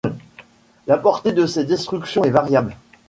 La portée de ces destructions est variable.